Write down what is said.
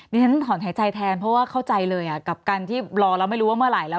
ฉันถอนหายใจแทนเพราะว่าเข้าใจเลยกับการที่รอแล้วไม่รู้ว่าเมื่อไหร่แล้ว